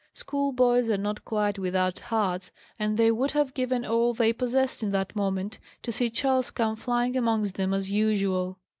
Schoolboys are not quite without hearts, and they would have given all they possessed, in that moment, to see Charles come flying amongst them, as usual.